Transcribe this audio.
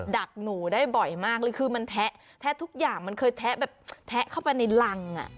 ดักหนูได้บ่อยมากเลยคือมันแทะแทะทุกอย่างมันเคยแทะแบบแทะเข้าไปในรัง